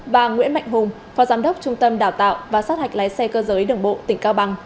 và nguyễn mạnh hùng phó giám đốc trung tâm đào tạo và sát hạch lái xe cơ giới đường bộ tỉnh cao bằng